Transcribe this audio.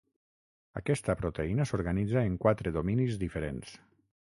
Aquesta proteïna s'organitza en quatre dominis diferents.